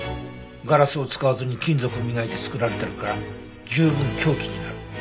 ガラスを使わずに金属を磨いて作られてるから十分凶器になる。